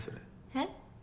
えっ？